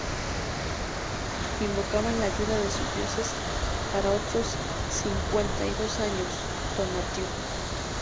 Invocaban la ayuda de sus Dioses para otros cincuenta y dos años: ¡Tonatiuh!